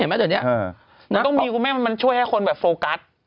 มันต้องมีคุณแม่มันช่วยให้คนแบบโฟกัส